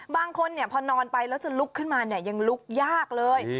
บางคนพอนอนไปแล้วจะลุกขึ้นมายังลุกยากเลย